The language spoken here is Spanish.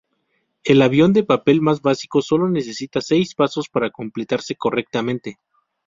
El avión de papel más básico solo necesita seis pasos para completarse "correctamente".